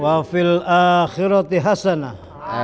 wafil akhirati hasanah